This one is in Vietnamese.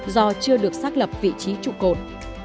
do chưa được xác lập vị trí trụ cột